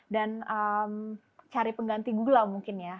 dan cari pengganti gula mungkin ya